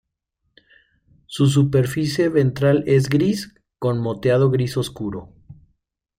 Su superficie ventral es gris con moteado gris oscuro.